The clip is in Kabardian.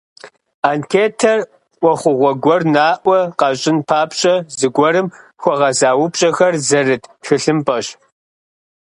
Анкетэр ӏуэхугъуэ гуэр наӏуэ къэщӏын папщӏэ зыгуэрым хуэгъэза упщӏэхэр зэрыт тхылъымпӏэщ.